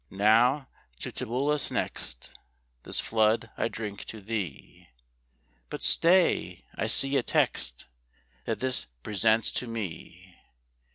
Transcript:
Now, to Tibullus next, This flood I drink to thee; But stay, I see a text, That this presents to me.